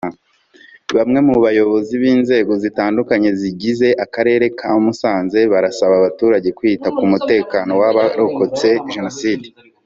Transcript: Bamwe mu bayobozi b’inzego zitandukanye zigize Akarere ka Musanze barasaba abaturage kwita ku mutekano w’abarokotse Jenoside